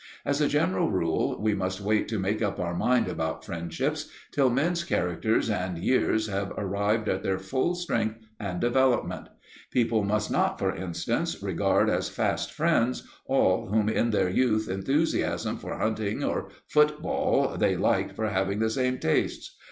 As a general rule, we must wait to make up our mind about friendships till men's characters and years have arrived at their full strength and development. People must not, for instance, regard as fast friends all whom in their youthful enthusiasm for hunting or football they liked for having the same tastes.